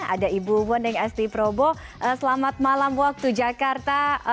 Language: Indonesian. ada ibu wening asti probo selamat malam waktu jakarta